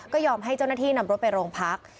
ก็ยอมให้เจ้าหน้าที่นำรถไปโรงพัก